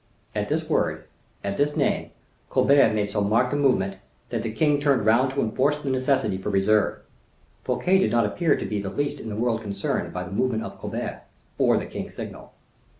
At this word, at this name, Colbert made so marked a movement, that the king turned round to enforce the necessity for reserve. Fouquet did not appear to be the least in the world concerned by the movement of Colbert, or the king's signal.